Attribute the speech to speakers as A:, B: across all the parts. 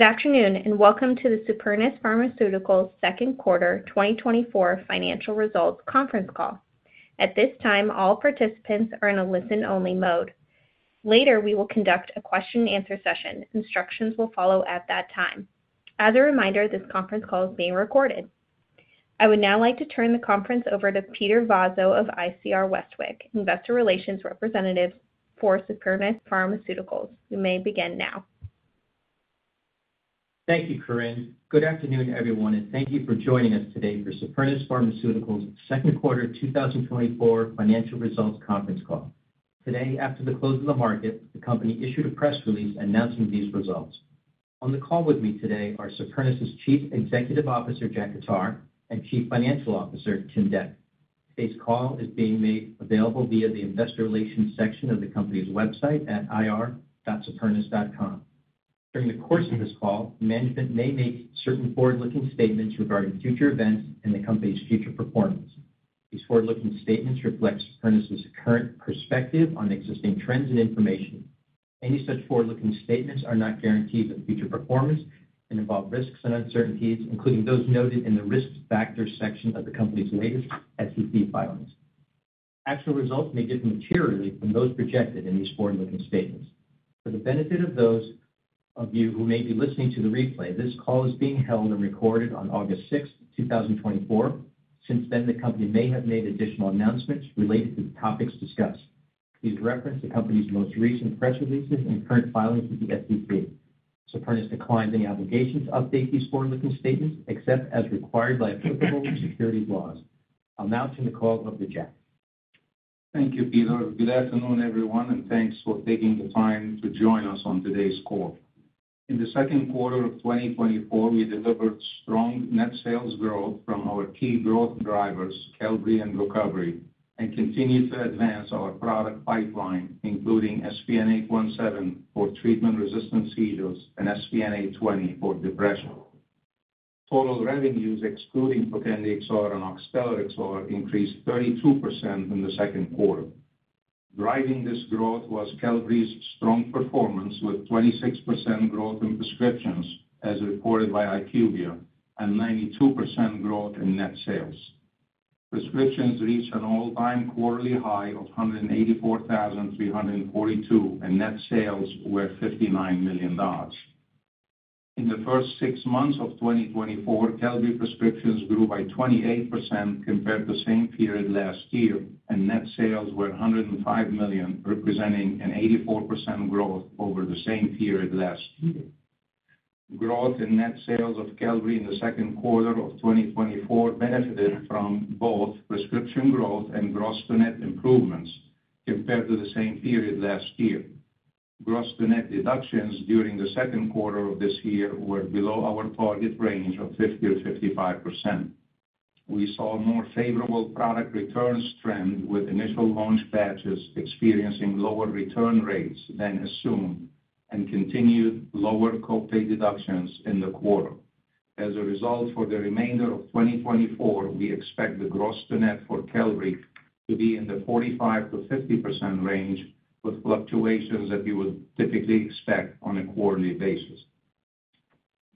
A: Good afternoon, and welcome to the Supernus Pharmaceuticals second quarter 2024 financial results conference call. At this time, all participants are in a listen-only mode. Later, we will conduct a question-and-answer session. Instructions will follow at that time. As a reminder, this conference call is being recorded. I would now like to turn the conference over to Peter Vozzo of ICR Westwicke, investor relations representative for Supernus Pharmaceuticals. You may begin now.
B: Thank you, Corinne. Good afternoon, everyone, and thank you for joining us today for Supernus Pharmaceuticals second quarter 2024 financial results conference call. Today, after the close of the market, the company issued a press release announcing these results. On the call with me today are Supernus' Chief Executive Officer, Jack Khattar, and Chief Financial Officer, Tim Dec. This call is being made available via the Investor Relations section of the company's website at ir.supernus.com. During the course of this call, management may make certain forward-looking statements regarding future events and the company's future performance. These forward-looking statements reflect Supernus' current perspective on existing trends and information. Any such forward-looking statements are not guarantees of future performance and involve risks and uncertainties, including those noted in the Risk Factors section of the company's latest SEC filings. Actual results may differ materially from those projected in these forward-looking statements. For the benefit of those of you who may be listening to the replay, this call is being held and recorded on August 6, 2024. Since then, the company may have made additional announcements related to the topics discussed. Please reference the company's most recent press releases and current filings with the SEC. Supernus declines any obligation to update these forward-looking statements except as required by applicable securities laws. I'll now turn the call over to Jack.
C: Thank you, Peter. Good afternoon, everyone, and thanks for taking the time to join us on today's call. In the second quarter of 2024, we delivered strong net sales growth from our key growth drivers, Qelbree and Gocovri, and continued to advance our product pipeline, including SPN-817 for treatment-resistant seizures and SPN-820 for depression. Total revenues, excluding Trokendi XR and Oxtellar XR, increased 32% in the second quarter. Driving this growth was Qelbree's strong performance, with 26% growth in prescriptions, as reported by IQVIA, and 92% growth in net sales. Prescriptions reached an all-time quarterly high of 184,342, and net sales were $59 million. In the first six months of 2024, Qelbree prescriptions grew by 28% compared to the same period last year, and net sales were $105 million, representing an 84% growth over the same period last year. Growth in net sales of Qelbree in the second quarter of 2024 benefited from both prescription growth and gross to net improvements compared to the same period last year. Gross to net deductions during the second quarter of this year were below our target range of 50%-55%. We saw a more favorable product returns trend, with initial launch batches experiencing lower return rates than assumed and continued lower co-pay deductions in the quarter. As a result, for the remainder of 2024, we expect the gross to net for Qelbree to be in the 45%-50% range, with fluctuations that you would typically expect on a quarterly basis.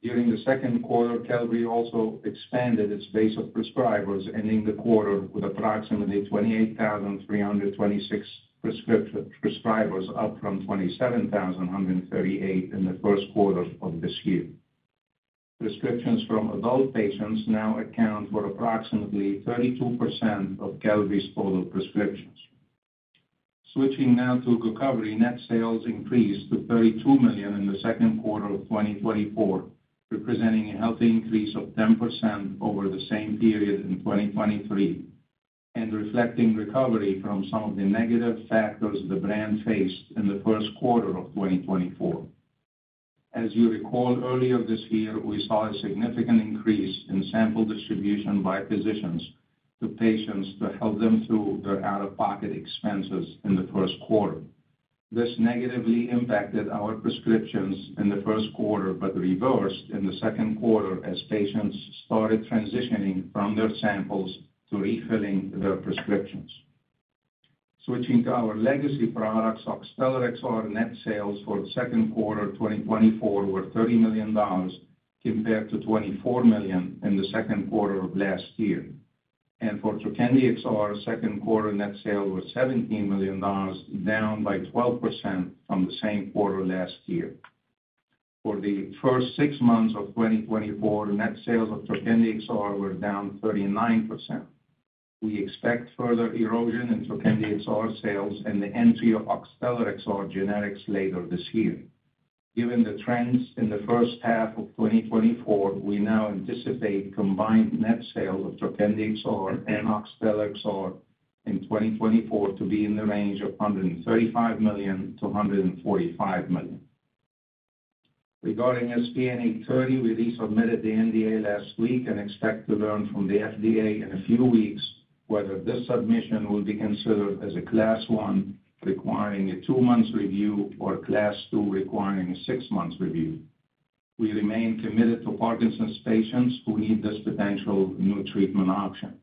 C: During the second quarter, Qelbree also expanded its base of prescribers, ending the quarter with approximately 28,326 prescribers, up from 27,138 in the first quarter of this year. Prescriptions from adult patients now account for approximately 32% of Qelbree's total prescriptions. Switching now to Gocovri, net sales increased to $32 million in the second quarter of 2024, representing a healthy increase of 10% over the same period in 2023 and reflecting recovery from some of the negative factors the brand faced in the first quarter of 2024. As you recall, earlier this year, we saw a significant increase in sample distribution by physicians to patients to help them through their out-of-pocket expenses in the first quarter. This negatively impacted our prescriptions in the first quarter, but reversed in the second quarter as patients started transitioning from their samples to refilling their prescriptions. Switching to our legacy products, Oxtellar XR net sales for the second quarter 2024 were $30 million, compared to $24 million in the second quarter of last year. And for Trokendi XR, second quarter net sales were $17 million, down by 12% from the same quarter last year. For the first six months of 2024, net sales of Trokendi XR were down 39%. We expect further erosion in Trokendi XR sales and the entry of Oxtellar XR generics later this year. Given the trends in the first half of 2024, we now anticipate combined net sales of Trokendi XR and Oxtellar XR in 2024 to be in the range of $135 million-$145 million. Regarding SPN-830, we resubmitted the NDA last week and expect to learn from the FDA in a few weeks whether this submission will be considered as a Class 1, requiring a two-month review, or Class 2, requiring a six-month review. We remain committed to Parkinson's patients who need this potential new treatment option.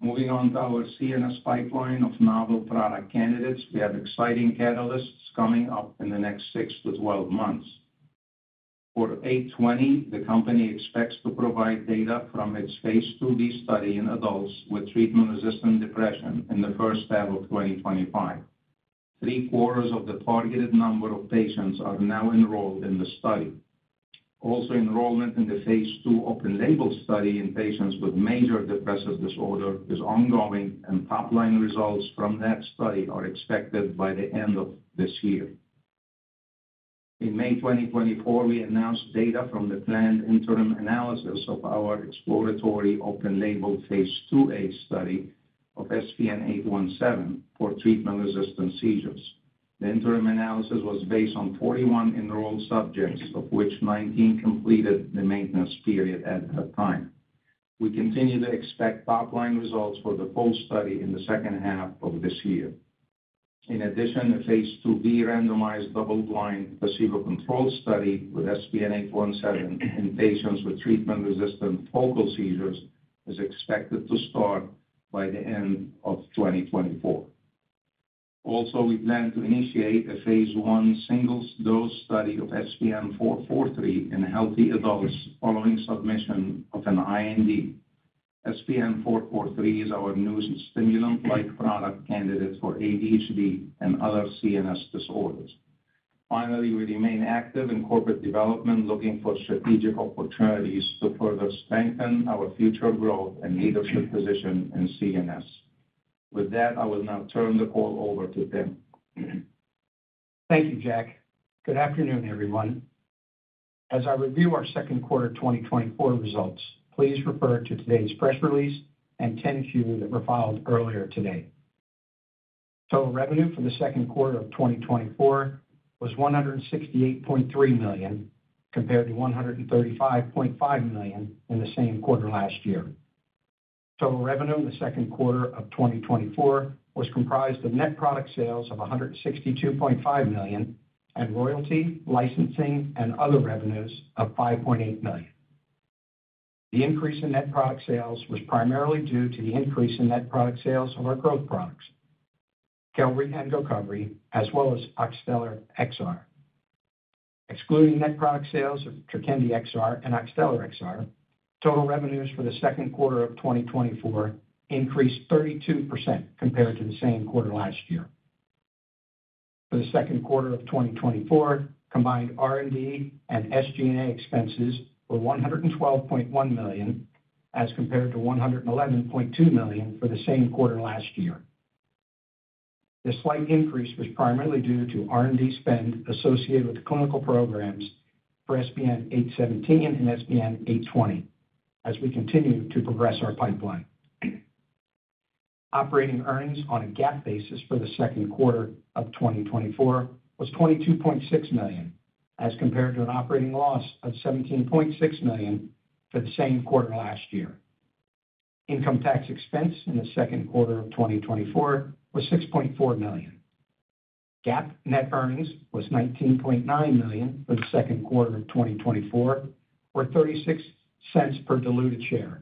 C: Moving on to our CNS pipeline of novel product candidates, we have exciting catalysts coming up in the next six to 12 months. For 820, the company expects to provide data from its phase II-B study in adults with treatment-resistant depression in the first half of 2025. 3/4 of the targeted number of patients are now enrolled in the study. Also, enrollment in the phase II open-label study in patients with major depressive disorder is ongoing, and top-line results from that study are expected by the end of this year. In May 2024, we announced data from the planned interim analysis of our exploratory open-label phase II-A study of SPN-817 for treatment-resistant seizures. The interim analysis was based on 41 enrolled subjects, of which 19 completed the maintenance period at that time. We continue to expect top-line results for the full study in the second half of this year. In addition, a phase II-B randomized double-blind placebo-controlled study with SPN-817 in patients with treatment-resistant focal seizures is expected to start by the end of 2024. Also, we plan to initiate a phase I single-dose study of SPN-443 in healthy adults following submission of an IND. SPN-443 is our newest stimulant-like product candidate for ADHD and other CNS disorders. Finally, we remain active in corporate development, looking for strategic opportunities to further strengthen our future growth and leadership position in CNS. With that, I will now turn the call over to Tim.
D: Thank you, Jack. Good afternoon, everyone. As I review our second quarter 2024 results, please refer to today's press release and 10-Q that were filed earlier today. Total revenue for the second quarter of 2024 was $168.3 million, compared to $135.5 million in the same quarter last year. Total revenue in the second quarter of 2024 was comprised of net product sales of $162.5 million and royalty, licensing, and other revenues of $5.8 million. The increase in net product sales was primarily due to the increase in net product sales of our growth products, Qelbree and Gocovri, as well as Oxtellar XR. Excluding net product sales of Trokendi XR and Oxtellar XR, total revenues for the second quarter of 2024 increased 32% compared to the same quarter last year. For the second quarter of 2024, combined R&D and SG&A expenses were $112.1 million, as compared to $111.2 million for the same quarter last year. The slight increase was primarily due to R&D spend associated with the clinical programs for SPN-817 and SPN-820, as we continue to progress our pipeline. Operating earnings on a GAAP basis for the second quarter of 2024 was $22.6 million, as compared to an operating loss of $17.6 million for the same quarter last year. Income tax expense in the second quarter of 2024 was $6.4 million. GAAP net earnings was $19.9 million for the second quarter of 2024, or $0.36 per diluted share,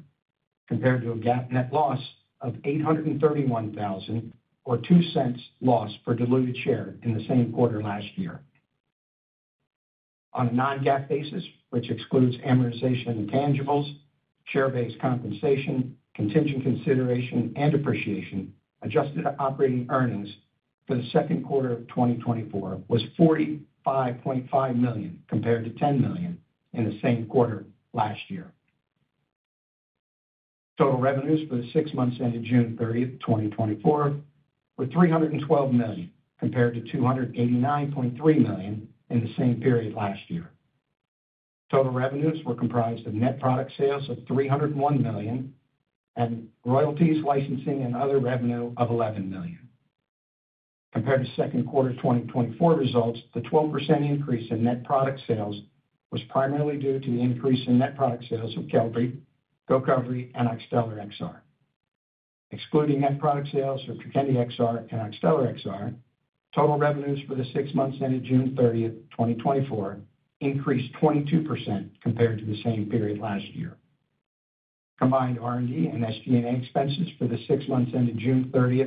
D: compared to a GAAP net loss of $831,000 or $0.02 loss per diluted share in the same quarter last year. On a non-GAAP basis, which excludes amortization intangibles, share-based compensation, contingent consideration, and depreciation, adjusted operating earnings for the second quarter of 2024 was $45.5 million, compared to $10 million in the same quarter last year. Total revenues for the six months ended June 30, 2024, were $312 million, compared to $289.3 million in the same period last year. Total revenues were comprised of net product sales of $301 million and royalties, licensing, and other revenue of $11 million. Compared to second quarter 2024 results, the 12% increase in net product sales was primarily due to the increase in net product sales of Qelbree, Gocovri, and Oxtellar XR. Excluding net product sales for Trokendi XR and Oxtellar XR, total revenues for the six months ended June 30, 2024, increased 22% compared to the same period last year. Combined R&D and SG&A expenses for the six months ended June 30,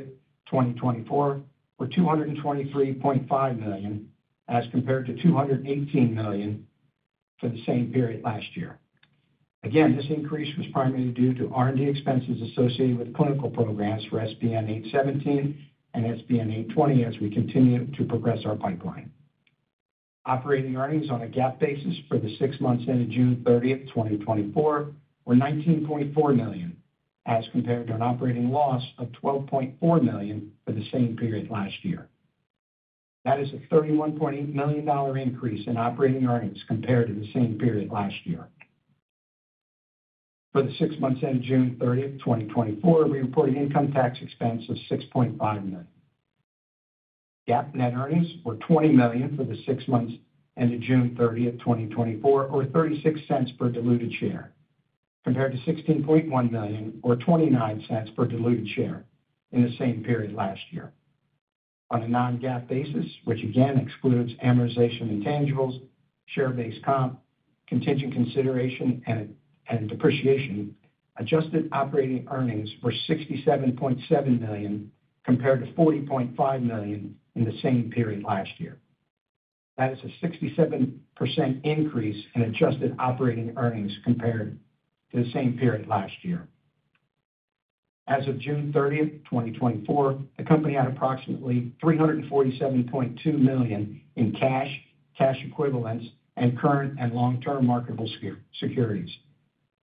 D: 2024, were $223.5 million, as compared to $218 million for the same period last year. Again, this increase was primarily due to R&D expenses associated with clinical programs for SPN-817 and SPN-820, as we continue to progress our pipeline. Operating earnings on a GAAP basis for the six months ended June 30, 2024, were $19.4 million, as compared to an operating loss of $12.4 million for the same period last year. That is a $31.8 million increase in operating earnings compared to the same period last year. For the six months ended June 30, 2024, we reported income tax expense of $6.5 million. GAAP net earnings were $20 million for the six months ended June 30, 2024, or $0.36 per diluted share, compared to $16.1 million or $0.29 per diluted share in the same period last year. On a non-GAAP basis, which again excludes amortization intangibles, share-based comp, contingent consideration, and depreciation, adjusted operating earnings were $67.7 million compared to $40.5 million in the same period last year. That is a 67% increase in adjusted operating earnings compared to the same period last year. As of June 30, 2024, the company had approximately $347.2 million in cash, cash equivalents, and current and long-term marketable securities,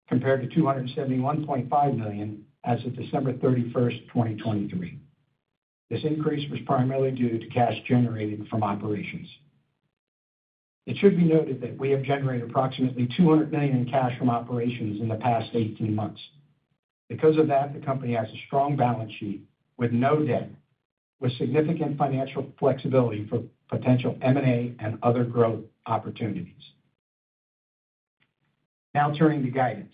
D: compared to $271.5 million as of December 31, 2023. This increase was primarily due to cash generated from operations. It should be noted that we have generated approximately $200 million in cash from operations in the past eighteen months. Because of that, the company has a strong balance sheet with no debt, with significant financial flexibility for potential M&A and other growth opportunities. Now, turning to guidance.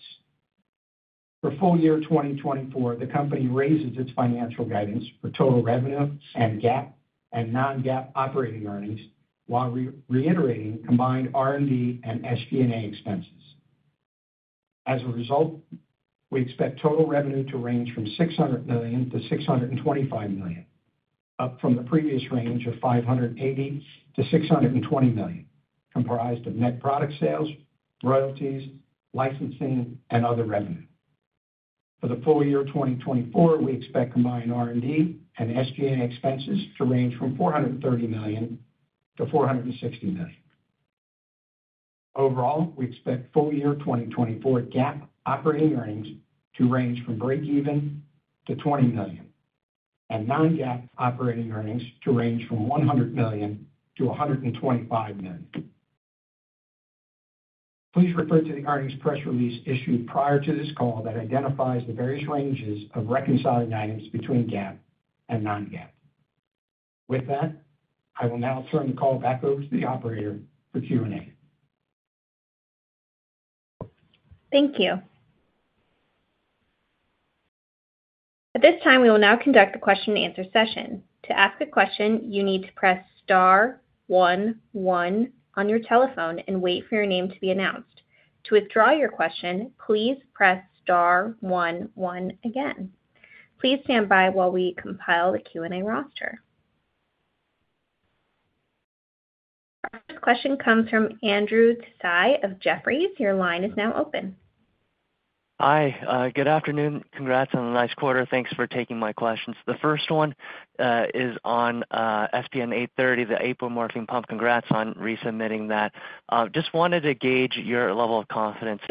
D: For full year 2024, the company raises its financial guidance for total revenue and GAAP and non-GAAP operating earnings, while reiterating combined R&D and SG&A expenses. As a result, we expect total revenue to range from $600 million-$625 million, up from the previous range of $580 million-$620 million, comprised of net product sales, royalties, licensing, and other revenue. For the full year 2024, we expect combined R&D and SG&A expenses to range from $430 million-$460 million. Overall, we expect full year 2024 GAAP operating earnings to range from breakeven to $20 million, and non-GAAP operating earnings to range from $100 million-$125 million. Please refer to the earnings press release issued prior to this call that identifies the various ranges of reconciling items between GAAP and non-GAAP. With that, I will now turn the call back over to the operator for Q&A.
A: Thank you. At this time, we will now conduct a question-and-answer session. To ask a question, you need to press star one, one on your telephone and wait for your name to be announced. To withdraw your question, please press star one, one again. Please stand by while we compile the Q&A roster. Our first question comes from Andrew Tsai of Jefferies. Your line is now open.
E: Hi, good afternoon. Congrats on the nice quarter. Thanks for taking my questions. The first one is on SPN-830, the apomorphine pump. Congrats on resubmitting that. Just wanted to gauge your level of confidence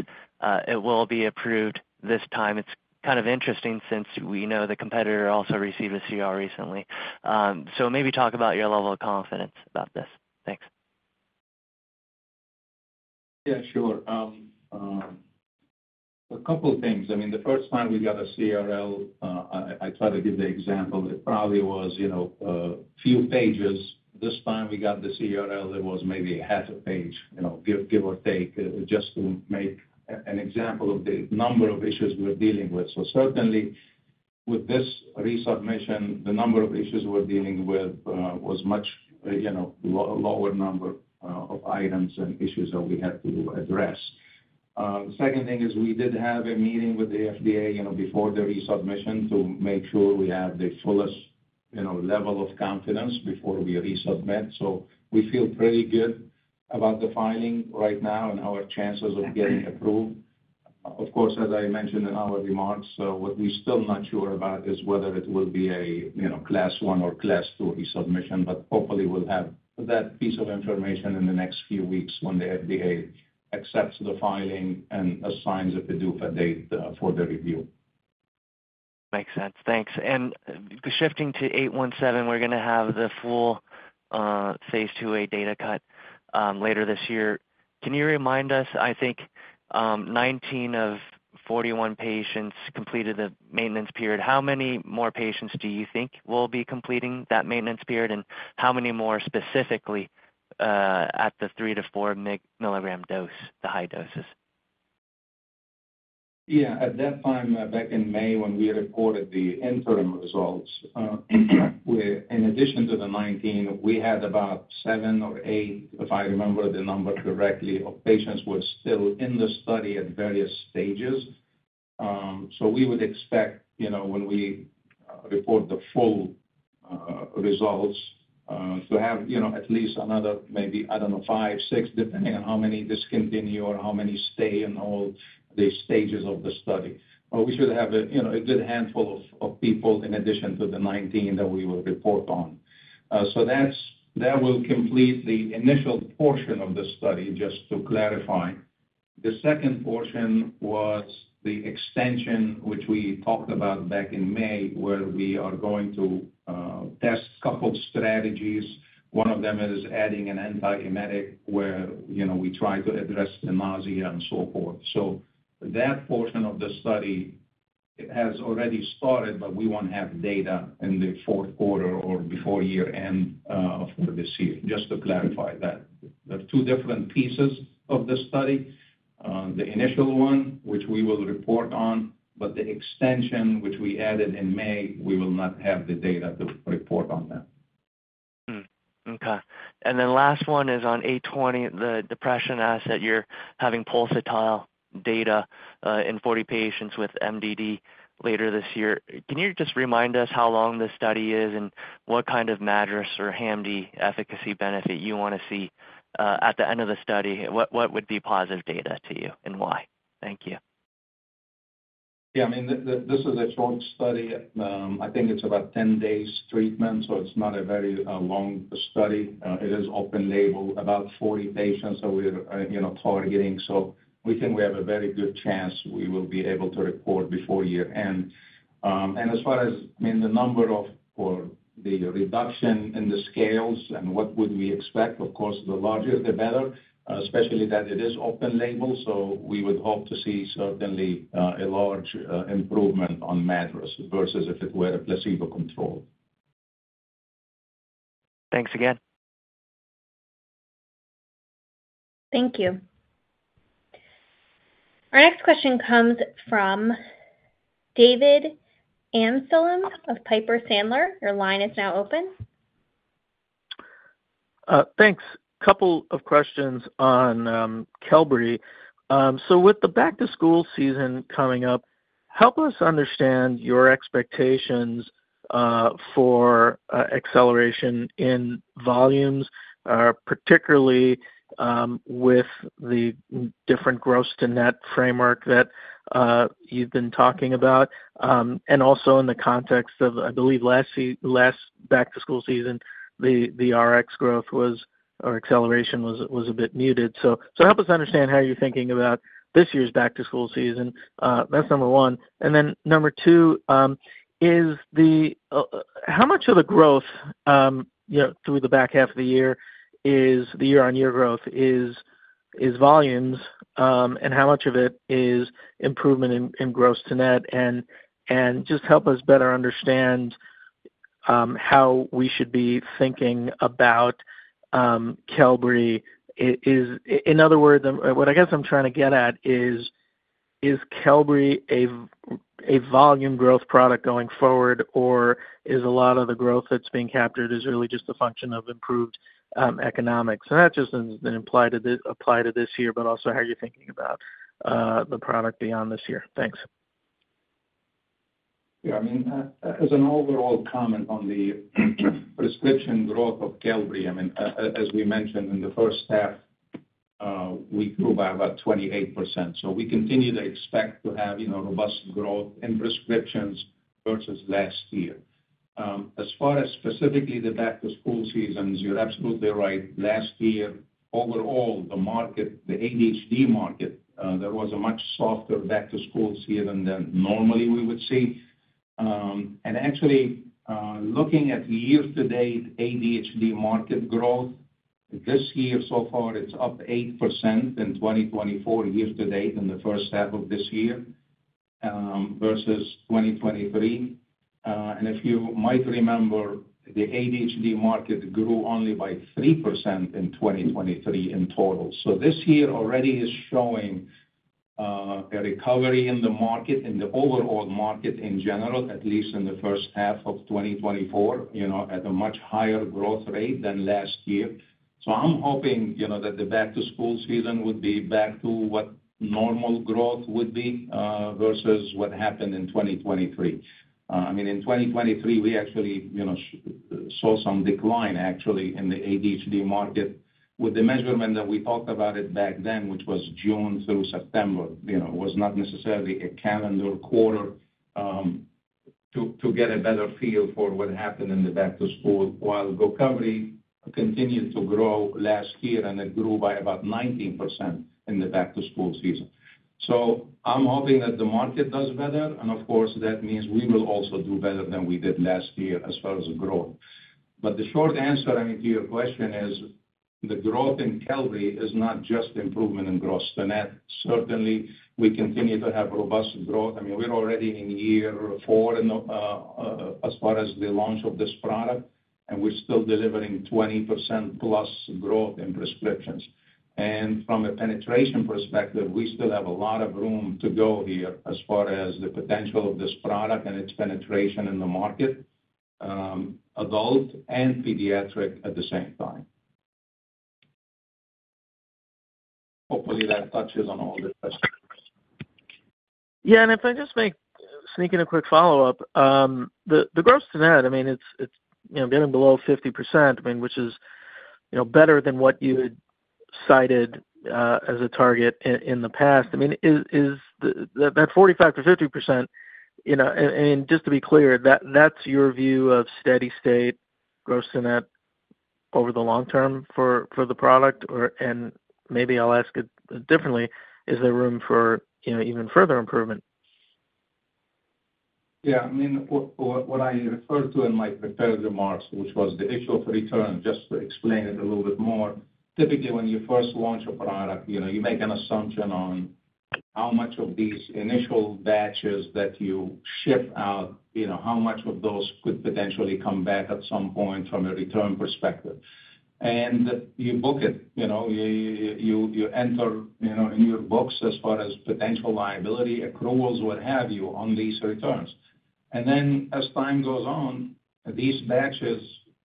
E: it will be approved this time. It's kind of interesting since we know the competitor also received a CRL recently. So maybe talk about your level of confidence about this. Thanks.
C: Yeah, sure. A couple of things. I mean, the first time we got a CRL, I try to give the example, it probably was, you know, a few pages. This time we got the CRL, it was maybe half a page, you know, give or take, just to make an example of the number of issues we're dealing with. So certainly, with this resubmission, the number of issues we're dealing with was much, you know, lower number of items and issues that we had to address. The second thing is we did have a meeting with the FDA, you know, before the resubmission to make sure we have the fullest, you know, level of confidence before we resubmit. So we feel pretty good about the filing right now and our chances of getting approved. Of course, as I mentioned in our remarks, what we're still not sure about is whether it will be a, you know, Class 1 or Class 2 resubmission, but hopefully we'll have that piece of information in the next few weeks when the FDA accepts the filing and assigns a PDUFA date for the review.
E: Makes sense. Thanks. And shifting to 817, we're going to have the full phase II-A data cut later this year. Can you remind us, I think, 19 of 41 patients completed the maintenance period. How many more patients do you think will be completing that maintenance period, and how many more specifically at the 3-4 mg dose, the high doses?
C: Yeah, at that time, back in May, when we reported the interim results, in addition to the 19, we had about seven or eight, if I remember the number correctly, of patients who were still in the study at various stages. So we would expect, you know, when we report the full results, to have, you know, at least another maybe, I don't know, five, six, depending on how many discontinue or how many stay in all the stages of the study. But we should have a, you know, a good handful of people in addition to the 19 that we will report on. So that will complete the initial portion of the study, just to clarify. The second portion was the extension, which we talked about back in May, where we are going to test a couple of strategies. One of them is adding an antiemetic where, you know, we try to address the nausea and so forth. So that portion of the study has already started, but we won't have data in the fourth quarter or before year-end, for this year. Just to clarify that. There are two different pieces of the study. The initial one, which we will report on, but the extension, which we added in May, we will not have the data to report on that.
E: Okay. And then last one is on 820, the depression asset. You're having topline data in 40 patients with MDD later this year. Can you just remind us how long this study is, and what kind of MADRS or HAMD efficacy benefit you wanna see at the end of the study? What would be positive data to you and why? Thank you.
C: Yeah, I mean, this is a short study. I think it's about 10 days treatment, so it's not a very, long study. It is open label, about 40 patients that we're, you know, targeting. So we think we have a very good chance we will be able to report before year-end. And as far as, I mean, the number of, or the reduction in the scales and what would we expect, of course, the larger, the better, especially that it is open label, so we would hope to see certainly, a large, improvement on MADRS versus if it were a placebo-controlled.
E: Thanks again.
A: Thank you. Our next question comes from David Amsellem of Piper Sandler. Your line is now open.
F: Thanks. Couple of questions on Qelbree. So with the back-to-school season coming up, help us understand your expectations for acceleration in volumes, particularly with the different gross-to-net framework that you've been talking about. And also in the context of, I believe, last back-to-school season, the Rx growth was, or acceleration was, a bit muted. So help us understand how you're thinking about this year's back-to-school season. That's number one. And then number two is the how much of the growth, you know, through the back half of the year is, the year-on-year growth is volumes, and how much of it is improvement in gross to net. And just help us better understand how we should be thinking about Qelbree. In other words, what I guess I'm trying to get at is, is Qelbree a volume growth product going forward, or is a lot of the growth that's being captured really just a function of improved economics? And not just applicable to this year, but also how you're thinking about the product beyond this year. Thanks.
C: Yeah, I mean, as an overall comment on the prescription growth of Qelbree, I mean, as we mentioned in the first half, we grew by about 28%. So we continue to expect to have, you know, robust growth in prescriptions versus last year. As far as specifically the back-to-school seasons, you're absolutely right. Last year, overall, the market, the ADHD market, there was a much softer back-to-school season than normally we would see. And actually, looking at year-to-date ADHD market growth, this year so far, it's up 8% in 2024 year to date in the first half of this year, versus 2023. And if you might remember, the ADHD market grew only by 3% in 2023 in total. So this year already is showing a recovery in the market, in the overall market in general, at least in the first half of 2024, you know, at a much higher growth rate than last year. So I'm hoping, you know, that the back-to-school season would be back to what normal growth would be versus what happened in 2023. I mean, in 2023, we actually, you know, saw some decline, actually, in the ADHD market. With the measurement that we talked about it back then, which was June through September, you know, was not necessarily a calendar quarter, to get a better feel for what happened in the back to school, while Qelbree continued to grow last year, and it grew by about 19% in the back-to-school season. So I'm hoping that the market does better, and of course, that means we will also do better than we did last year as far as growth. But the short answer, I mean, to your question is, the growth in Qelbree is not just improvement in gross to net. Certainly, we continue to have robust growth. I mean, we're already in year four in the, as far as the launch of this product, and we're still delivering 20%+ growth in prescriptions. And from a penetration perspective, we still have a lot of room to go here as far as the potential of this product and its penetration in the market, adult and pediatric at the same time. Hopefully, that touches on all the questions.
F: Yeah, and if I just make sneak in a quick follow-up. The gross to net, I mean, it's you know, getting below 50%, I mean, which is you know, better than what you had cited as a target in the past. I mean, is the that 45%-50%, you know, and just to be clear, that's your view of steady state gross to net over the long term for the product? Or, and maybe I'll ask it differently: Is there room for you know, even further improvement?
C: Yeah, I mean, what I referred to in my prepared remarks, which was the issue of return, just to explain it a little bit more. Typically, when you first launch a product, you know, you make an assumption on how much of these initial batches that you ship out, you know, how much of those could potentially come back at some point from a return perspective... and you book it, you know, you enter, you know, in your books as far as potential liability accruals, what have you, on these returns. And then as time goes on, these batches,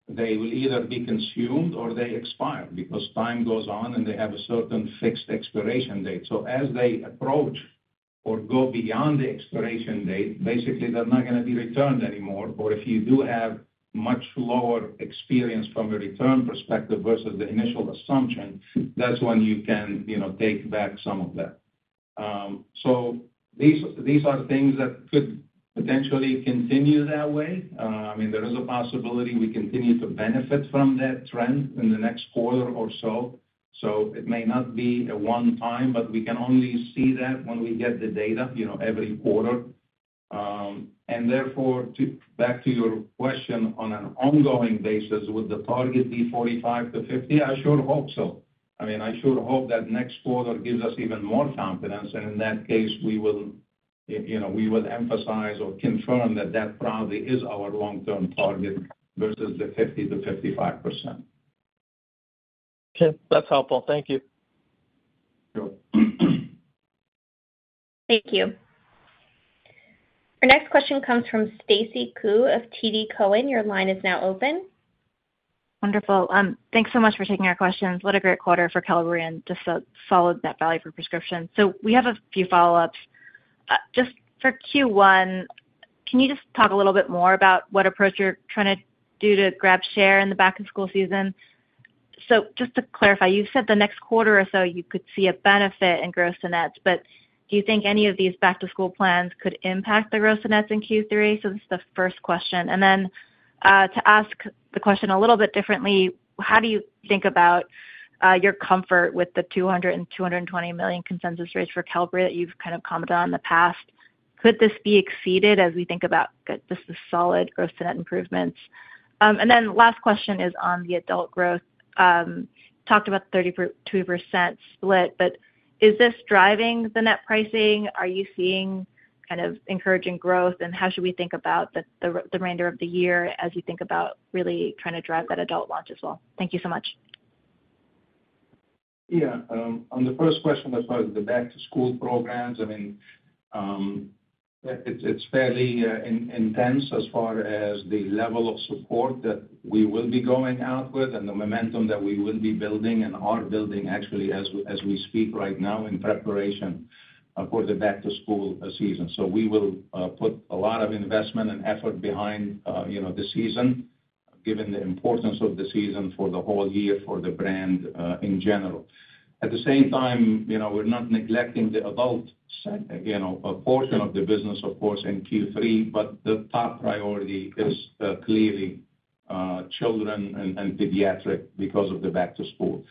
C: they will either be consumed or they expire because time goes on, and they have a certain fixed expiration date. So as they approach or go beyond the expiration date, basically, they're not gonna be returned anymore. Or if you do have much lower experience from a return perspective versus the initial assumption, that's when you can, you know, take back some of that. So these are things that could potentially continue that way. I mean, there is a possibility we continue to benefit from that trend in the next quarter or so. So it may not be a one-time, but we can only see that when we get the data, you know, every quarter. And therefore, to back to your question, on an ongoing basis, would the target be 45%-50%? I sure hope so. I mean, I sure hope that next quarter gives us even more confidence, and in that case, we will, you know, we would emphasize or confirm that that probably is our long-term target versus the 50%-55%.
F: Okay, that's helpful. Thank you.
C: Sure.
A: Thank you. Our next question comes from Stacy Ku of TD Cowen. Your line is now open.
G: Wonderful. Thanks so much for taking our questions. What a great quarter for Qelbree and just a solid net value for prescription. So we have a few follow-ups. Just for Q1, can you just talk a little bit more about what approach you're trying to do to grab share in the back-to-school season? So just to clarify, you said the next quarter or so, you could see a benefit in gross-to-net, but do you think any of these back-to-school plans could impact the gross-to-net in Q3? So this is the first question. And then, to ask the question a little bit differently, how do you think about your comfort with the $200 million-$220 million consensus rates for Qelbree that you've kind of commented on in the past? Could this be exceeded as we think about this is solid gross-to-net improvements? And then last question is on the adult growth. Talked about the 30%-20% split, but is this driving the net pricing? Are you seeing kind of encouraging growth, and how should we think about the remainder of the year as you think about really trying to drive that adult launch as well? Thank you so much.
C: Yeah. On the first question, as far as the back-to-school programs, I mean, it's fairly intense as far as the level of support that we will be going out with and the momentum that we will be building and are building actually as we speak right now in preparation for the back-to-school season. So we will put a lot of investment and effort behind, you know, the season, given the importance of the season for the whole year, for the brand in general. At the same time, you know, we're not neglecting the adult segment, you know, a portion of the business, of course, in Q3, but the top priority is clearly children and pediatric because of the back to school.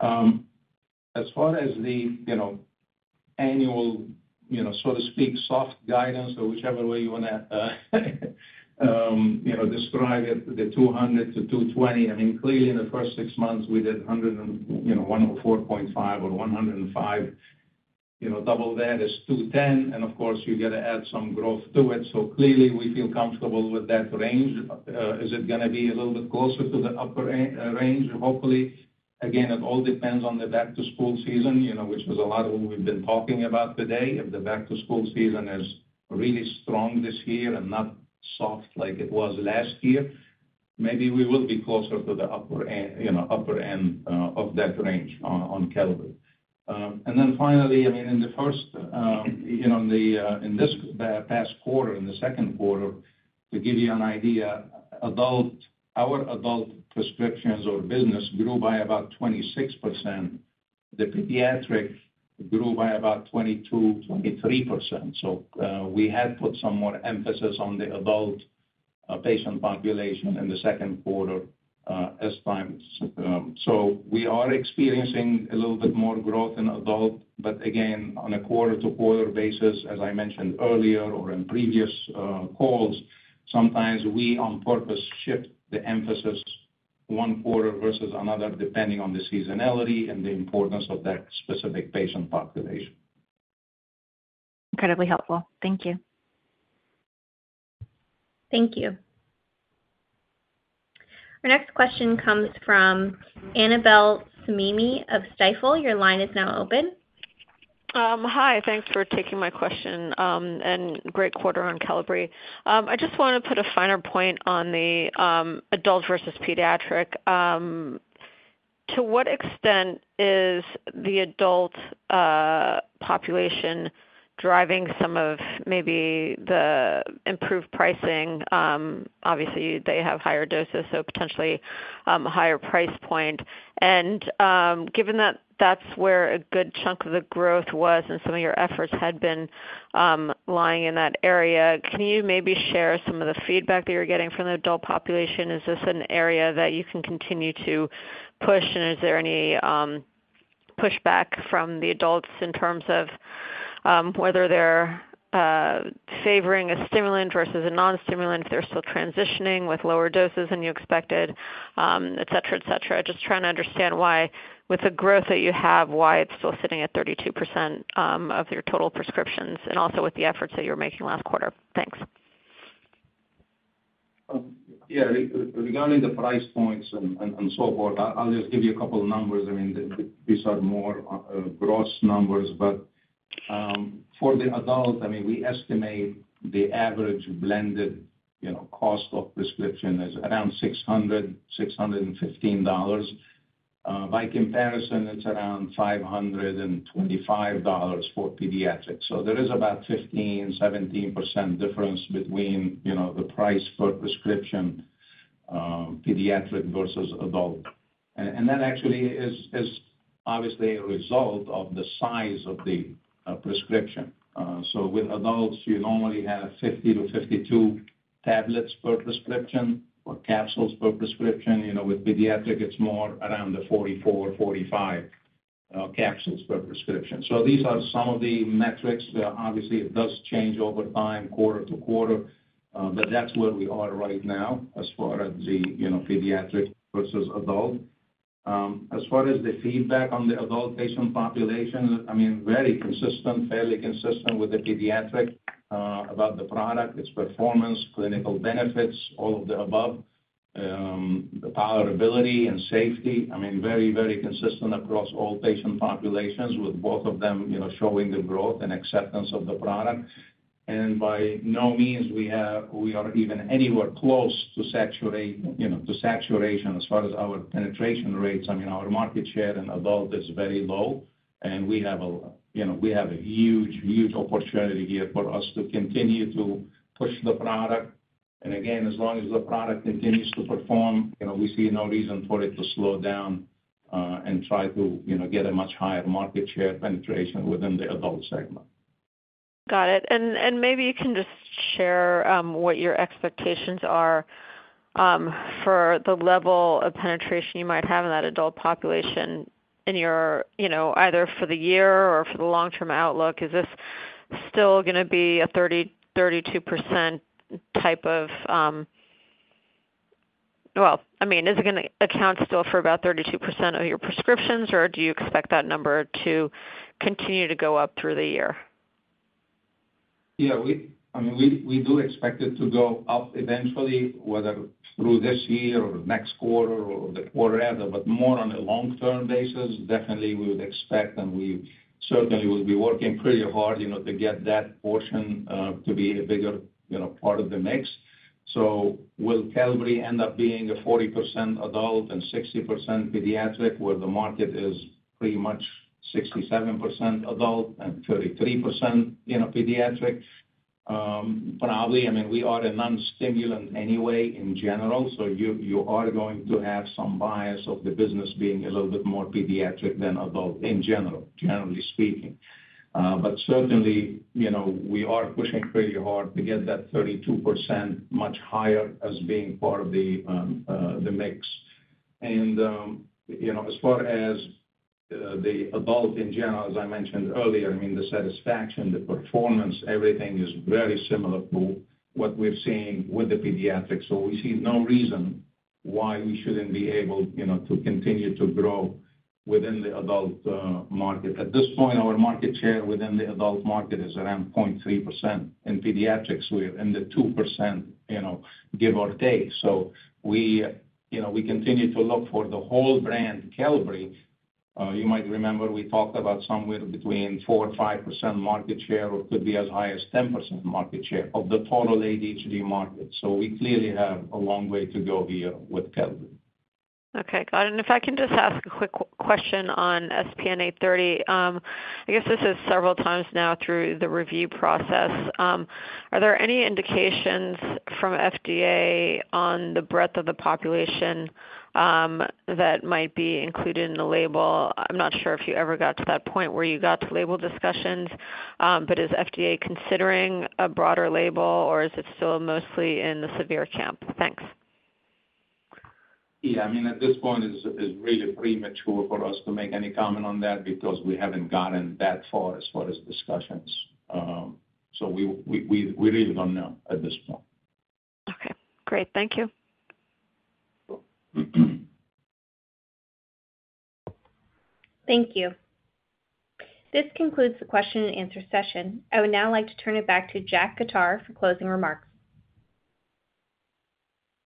C: As far as the, you know, annual, you know, so to speak, soft guidance or whichever way you wanna, you know, describe it, the $200 million-$220 million, I mean, clearly, in the first six months, we did $104.5 million or $105 million. You know, double that is $210 million, and of course, you got to add some growth to it. So clearly, we feel comfortable with that range. Is it gonna be a little bit closer to the upper range? Hopefully. Again, it all depends on the back-to-school season, you know, which is a lot of what we've been talking about today. If the back-to-school season is really strong this year and not soft like it was last year, maybe we will be closer to the upper end, you know, upper end, of that range on, on Qelbree. And then finally, I mean, in the first, you know, on the, in this past quarter, in the second quarter, to give you an idea, our adult prescriptions or business grew by about 26%. The pediatric grew by about 22%, 23%. So, we had put some more emphasis on the adult, patient population in the second quarter, as times. We are experiencing a little bit more growth in adult, but again, on a quarter-to-quarter basis, as I mentioned earlier or in previous calls, sometimes we on purpose shift the emphasis one quarter versus another, depending on the seasonality and the importance of that specific patient population.
G: Incredibly helpful. Thank you.
A: Thank you. Our next question comes from Annabel Samimy of Stifel. Your line is now open.
H: Hi, thanks for taking my question, and great quarter on Qelbree. I just wanna put a finer point on the adult versus pediatric. To what extent is the adult population driving some of maybe the improved pricing? Obviously, they have higher doses, so potentially a higher price point. And given that that's where a good chunk of the growth was and some of your efforts had been lying in that area, can you maybe share some of the feedback that you're getting from the adult population? Is this an area that you can continue to push, and is there any pushback from the adults in terms of whether they're favoring a stimulant versus a non-stimulant, if they're still transitioning with lower doses than you expected, et cetera, et cetera? I'm just trying to understand why, with the growth that you have, why it's still sitting at 32% of your total prescriptions, and also with the efforts that you were making last quarter. Thanks.
C: Yeah, regarding the price points and so forth, I'll just give you a couple of numbers. I mean, these are more gross numbers, but for the adult, I mean, we estimate the average blended, you know, cost of prescription is around $615. By comparison, it's around $525 for pediatrics. So there is about 15%-17% difference between, you know, the price per prescription, pediatric versus adult. And that actually is obviously a result of the size of the prescription. So with adults, you normally have 50-52 tablets per prescription or capsules per prescription. You know, with pediatric, it's more around the 44-45 capsules per prescription. So these are some of the metrics. Obviously, it does change over time, quarter to quarter, but that's where we are right now as far as the, you know, pediatric versus adult. As far as the feedback on the adult patient population, I mean, very consistent, fairly consistent with the pediatric, about the product, its performance, clinical benefits, all of the above. The tolerability and safety, I mean, very, very consistent across all patient populations, with both of them, you know, showing the growth and acceptance of the product. And by no means we are even anywhere close to saturate, you know, to saturation as far as our penetration rates. I mean, our market share in adult is very low, and we have a, you know, we have a huge, huge opportunity here for us to continue to push the product. And again, as long as the product continues to perform, you know, we see no reason for it to slow down, and try to, you know, get a much higher market share penetration within the adult segment.
H: Got it. And maybe you can just share what your expectations are for the level of penetration you might have in that adult population in your. You know, either for the year or for the long-term outlook. Is this still gonna be a 32% type of. Well, I mean, is it gonna account still for about 32% of your prescriptions, or do you expect that number to continue to go up through the year?
C: Yeah, I mean, we do expect it to go up eventually, whether through this year or next quarter or the quarter after, but more on a long-term basis. Definitely, we would expect, and we certainly will be working pretty hard, you know, to get that portion to be a bigger, you know, part of the mix. So will Qelbree end up being a 40% adult and 60% pediatric, where the market is pretty much 67% adult and 33%, you know, pediatric? Probably. I mean, we are a non-stimulant anyway in general, so you are going to have some bias of the business being a little bit more pediatric than adult in general, generally speaking. But certainly, you know, we are pushing pretty hard to get that 32% much higher as being part of the mix. You know, as far as the adult in general, as I mentioned earlier, I mean, the satisfaction, the performance, everything is very similar to what we've seen with the pediatrics. So we see no reason why we shouldn't be able, you know, to continue to grow within the adult market. At this point, our market share within the adult market is around 0.3%. In pediatrics, we're in the 2%, you know, give or take. So we, you know, we continue to look for the whole brand, Qelbree. You might remember we talked about somewhere between 4%-5% market share, or could be as high as 10% market share of the total ADHD market. So we clearly have a long way to go here with Qelbree.
H: Okay, got it. And if I can just ask a quick question on SPN-830. I guess this is several times now through the review process. Are there any indications from FDA on the breadth of the population that might be included in the label? I'm not sure if you ever got to that point where you got to label discussions, but is FDA considering a broader label, or is it still mostly in the severe camp? Thanks.
C: Yeah, I mean, at this point, it's really premature for us to make any comment on that because we haven't gotten that far as far as discussions. So we really don't know at this point.
H: Okay, great. Thank you.
A: Thank you. This concludes the question and answer session. I would now like to turn it back to Jack Khattar for closing remarks.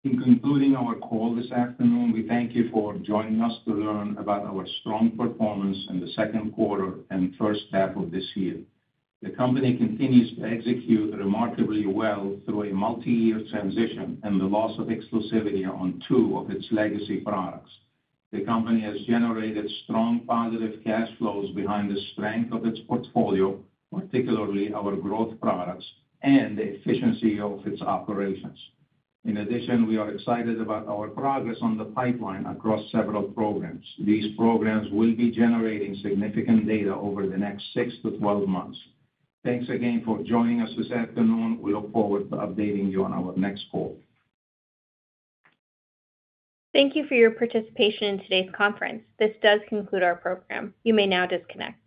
C: In concluding our call this afternoon, we thank you for joining us to learn about our strong performance in the second quarter and first half of this year. The company continues to execute remarkably well through a multi-year transition and the loss of exclusivity on two of its legacy products. The company has generated strong, positive cash flows behind the strength of its portfolio, particularly our growth products and the efficiency of its operations. In addition, we are excited about our progress on the pipeline across several programs. These programs will be generating significant data over the next six to 12 months. Thanks again for joining us this afternoon. We look forward to updating you on our next call.
A: Thank you for your participation in today's conference. This does conclude our program. You may now disconnect.